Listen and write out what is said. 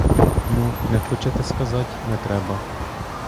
Ну, не хочете сказать, не треба.